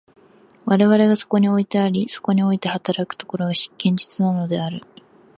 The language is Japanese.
我々がそこにおいてあり、そこにおいて働く所が、現実なのである。